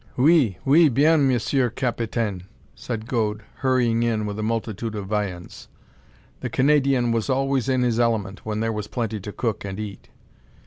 "Oui, oui! bien, Monsieur Capitaine," said Gode, hurrying in with a multitude of viands. The "Canadien" was always in his element when there was plenty to cook and eat.